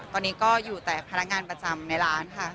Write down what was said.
ตอนนี้ก็อยู่แต่พนักงานประจำในร้านค่ะ